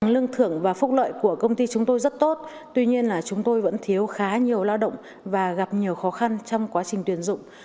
lương thưởng và phúc lợi của công ty chúng tôi rất tốt tuy nhiên là chúng tôi vẫn thiếu khá nhiều lao động và gặp nhiều khó khăn trong quá trình tuyển dụng